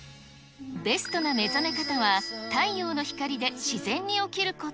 ベストな目覚め方は、太陽の光で自然に起きること。